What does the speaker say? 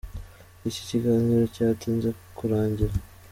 Iki kiganiro cyatinze kurangira.